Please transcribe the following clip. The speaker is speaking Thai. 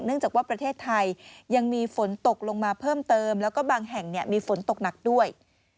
จากว่าประเทศไทยยังมีฝนตกลงมาเพิ่มเติมแล้วก็บางแห่งมีฝนตกหนักด้วย